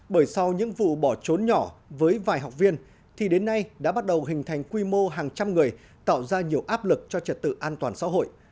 bởi sau những vụ bỏ trốn nhỏ với vài học viên thì đến nay đã bắt đầu hình thành quy mô hàng trăm người tạo ra nhiều áp lực cho trật tự an toàn xã hội